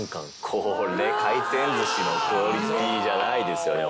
これ回転寿司のクオリティーじゃないですよね